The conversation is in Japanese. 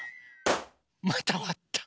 またわった。